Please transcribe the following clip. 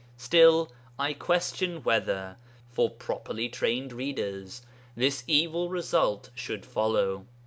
Still I question whether, for properly trained readers, this evil result should follow.